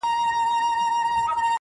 په لمن کي یې ور واچول قندونه-